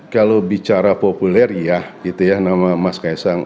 kalau bicara populer iya gitu ya nama mas kaisang